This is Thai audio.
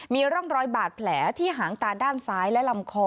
มีร่องรอยบาดแผลที่หางตาด้านซ้ายและลำคอ